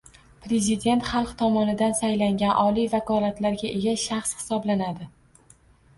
Prezident xalq tomonidan saylangan oliy vakolatlarga ega shaxs hisoblanadi